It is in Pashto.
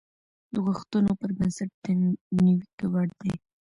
د غوښتنو پر بنسټ د نيوکې وړ دي.